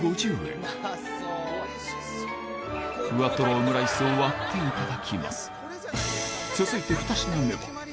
ふわとろオムライスを割っていただきます